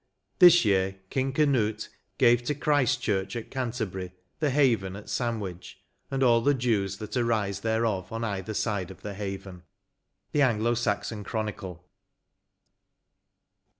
This year King Canute gave to Christ Church, at Canterbury, the haven at Sandwich, and all the dues that arise thereof on either side of the haven." — The Anglo Saxon Chronicle.